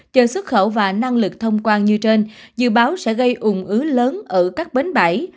chờ xuất khẩu và năng lực thông quan như trên dự báo sẽ gây ủng ứ lớn ở các bến bãi